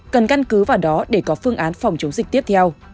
cần căn cứ vào đó để có phương án phòng chống dịch tiếp theo